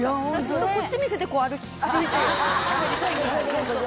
ずっとこっち見せて歩きたいぐらい。